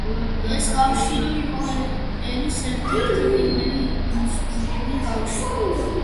ეს კავშირი იყო ერის ერთ-ერთი პირველი ინდუსტრიული კავშირი.